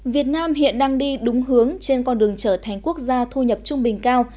việt nam hiện đang đi đúng hướng trên con đường trở thành quốc gia thu nhập trung bình cao